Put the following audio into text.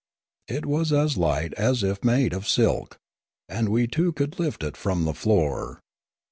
It was as light as if made of silk, and we two could lift it from the floor.